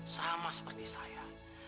sama seperti saya